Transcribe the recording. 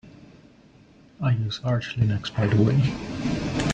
I use Arch Linux by the way.